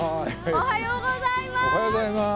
おはようございます。